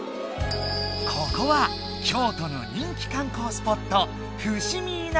ここは京都の人気かん光スポット